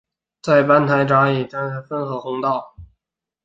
在班台闸以下洪河左岸建有洪河分洪道。